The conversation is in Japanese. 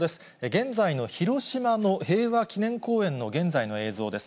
現在の広島の平和記念公園の現在の映像です。